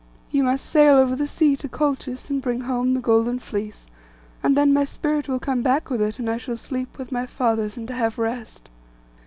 'You must sail over the sea to Colchis, and bring home the golden fleece; and then my spirit will come back with it, and I shall sleep with my fathers and have rest.